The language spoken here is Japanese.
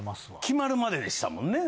決まるまででしたもんね。